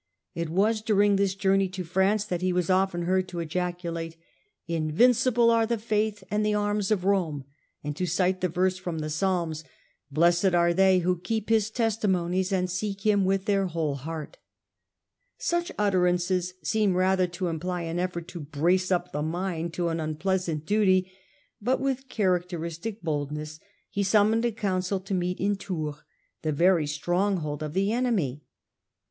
It was during this journey to France that he was often heard to ejaculate, * Invincible^ ^e the faith and the arms of Rome/ and to cite the verse from the Psalms, * Blessed are they who keep His testimonies and seek Him with their whole heart/ Such utterances seem rather to imply an effort to brace up the* mind to an unpleasant duty; but with characteristic boldness he summoned a council to meet in Tours — the very stronghold of the enemy.